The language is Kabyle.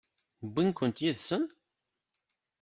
Wwin-kent yid-sen?